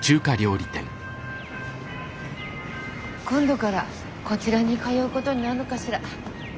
今度からこちらに通うことになるのかしら。